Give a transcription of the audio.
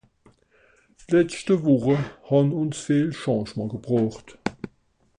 D’letschte Wùche hàn ùns viel Changement gebroocht.